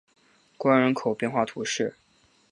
关人口变化图示